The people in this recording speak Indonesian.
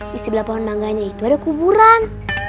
di sebelah pohon mangganya itu ada kuburan